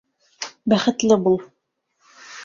Бәхетле бул.